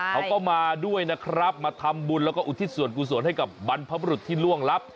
เขาก็มาด้วยนะครับมาทำบุญแล้วก็อุทิศส่วนกุศลให้กับบรรพบรุษที่ล่วงลับ